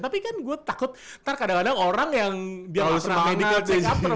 tapi kan gue takut ntar kadang kadang orang yang dia belum pernah medical change